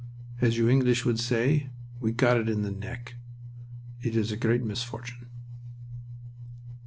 As you English would say, we 'got it in the neck.' It is a great misfortune."